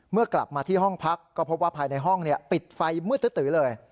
เมื่อกลับมาที่ห้องพักก็พบว่าภายในห้องปิดไฟมืดตื้อเลย